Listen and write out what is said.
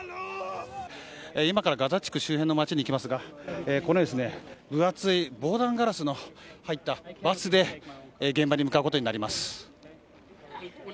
今からガザ地区周辺の街に行きますがこのように、分厚い防弾ガラスの入ったバスで現場に向かうことになります。